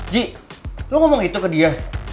ji lo ngomong itu ke dia